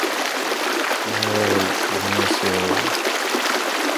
গ্রন্থনা ও পরিকল্পনায় হারুন অর রশীদ।